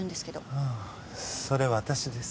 ああそれ私です。